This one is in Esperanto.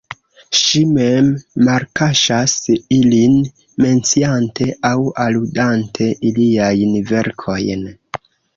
Ŝi mem malkaŝas ilin, menciante aŭ aludante iliajn verkojn.